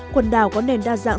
quần đảo có nền đa dạng